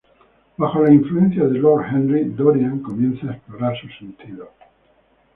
Bajo la influencia de Lord Henry, Dorian comienza a explorar sus sentidos.